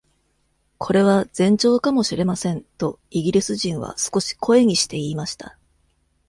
「これは前兆かもしれません」とイギリス人は少し声にして言いました